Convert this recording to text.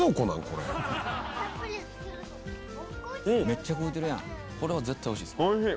「これは絶対美味しいですね」